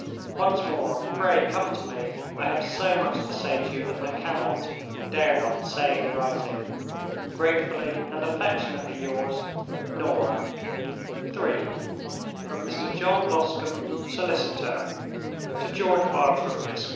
Once more, pray come to me; I have so much to say to you that I cannot, and dare not, say in writing. "Gratefully and affectionately yours, "NORAH." III. From Mr. John Loscombe (Solicitor) to George Bartram, Esq.